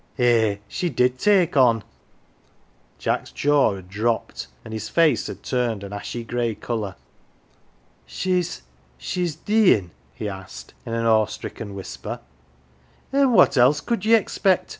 Eh, she did take on." 137 "THE GILLY F'ERS" Jack's jaw had dropped and his face had turned an ashy grey colour. "She's she's deem'?" he asked, in an awe stricken whisper. " An' what else could ye expect